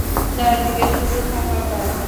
চারদিক শুধু হাহাকার।